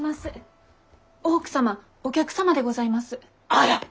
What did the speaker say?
あら！